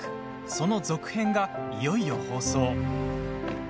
その続編が、いよいよ放送。